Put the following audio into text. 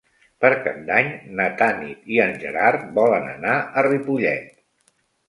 Per Cap d'Any na Tanit i en Gerard volen anar a Ripollet.